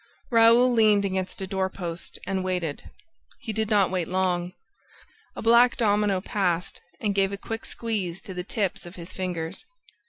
Raoul leaned against a door post and waited. He did not wait long. A black domino passed and gave a quick squeeze to the tips of his fingers.